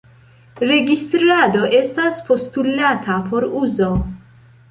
Registrado estas postulata por uzo.